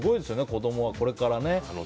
子供は、これからね。